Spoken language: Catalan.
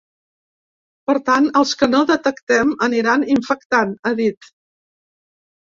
Per tant, els que no detectem aniran infectant, ha dit.